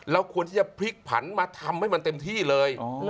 ควรที่จะพลิกผันมาทำให้มันเต็มที่เลย